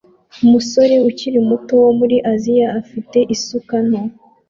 Umusore ukiri muto wo muri Aziya afite isuka nto